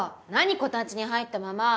こたつに入ったまま。